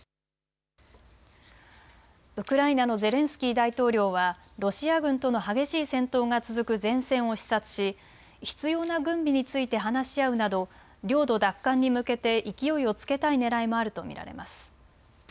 ウクライナのゼレンスキー大統領はロシア軍との激しい戦闘が続く前線を視察し必要な軍備について話し合うなど領土の奪還に向けて勢いをつけたいねらいもあると見られます。